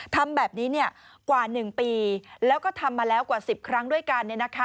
ทำแบบนี้กว่า๑ปีแล้วก็ทำมาแล้วกว่า๑๐ครั้งด้วยกัน